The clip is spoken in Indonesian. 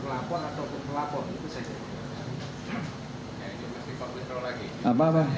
pak seandainya kasus ini terus bergulir ya